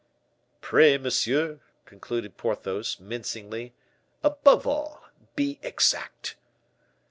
"Pray, monsieur," concluded Porthos, mincingly, "above all, be exact."